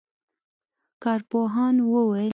کارپوهانو وویل